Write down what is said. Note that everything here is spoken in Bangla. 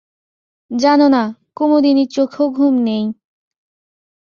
জানে না, কুমুদিনীর চোখেও ঘুম নেই।